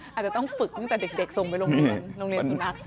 อาจจะต้องฝึกตั้งแต่เด็กส่งไปโรงเรียนสุนัข